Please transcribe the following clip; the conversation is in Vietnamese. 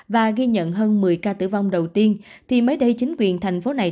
và ghi nhận hơn một mươi ca tử vong đầu tiên thì mới đây chính quyền thành phố này